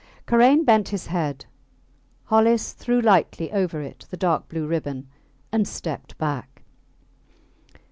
Karain bent his head: Hollis threw lightly over it the dark blue ribbon and stepped back.